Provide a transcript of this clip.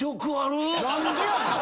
何でやねん！